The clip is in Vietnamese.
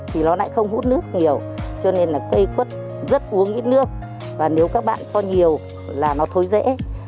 thì nó lại không hút nước nhiều cho nên là cây quất rất uống ít nước và nếu các bạn có nhiều là nó thối dễ